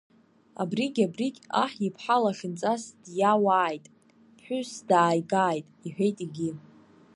Абригь абригь аҳ иԥҳа лахьынҵас диауааит, ԥҳәысс дааигааит, — иҳәеит егьи.